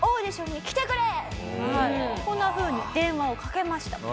こんなふうに電話をかけました。